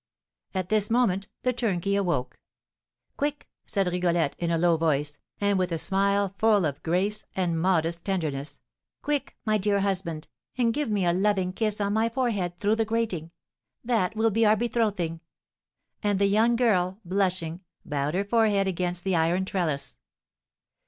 At this moment the turnkey awoke. "Quick," said Rigolette, in a low voice, and with a smile full of grace and modest tenderness, "quick, my dear husband, and give me a loving kiss on my forehead through the grating; that will be our betrothing." And the young girl, blushing, bowed her forehead against the iron trellis.